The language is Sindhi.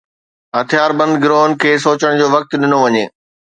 هٿياربند گروهن کي سوچڻ جو وقت ڏنو وڃي.